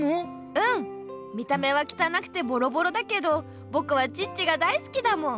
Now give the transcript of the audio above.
うん見た目はきたなくてボロボロだけどぼくはチッチが大好きだもん。